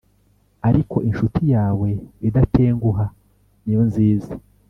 ariko inshuti yawe idatenguha niyo nziza,